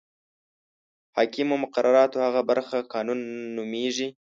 حاکمو مقرراتو هغه برخه قانون نومیږي.